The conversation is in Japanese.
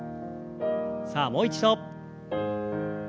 さあもう一度。